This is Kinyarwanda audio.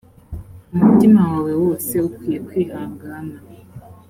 umutima wawe wose ukwiye kwihangana.